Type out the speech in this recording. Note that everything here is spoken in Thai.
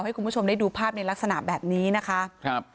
ให้คุณผู้ชมได้ดูภาพในลักษณะแบบนี้นะคะครับ